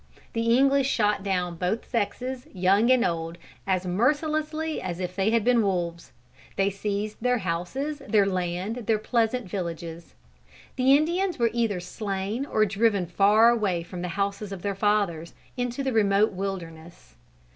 The English shot down both sexes, young and old, as mercilessly as if they had been wolves. They seized their houses, their lands, their pleasant villages. The Indians were either slain or driven far away from the houses of their fathers, into the remote wilderness.